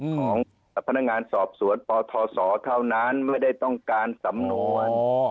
ของพนักงานสอบสวนปทศเท่านั้นไม่ได้ต้องการสำนวน